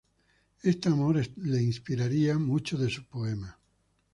Este amor le inspiraría muchos de sus poemas.